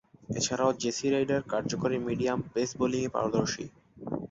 এছাড়াও Jesse Ryder কার্যকরী medium pace বোলিংয়ে পারদর্শী।